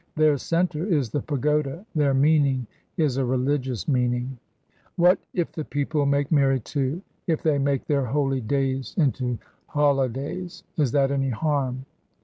Their centre is the pagoda, their meaning is a religious meaning. What if the people make merry, too, if they make their holy days into holidays, is that any harm?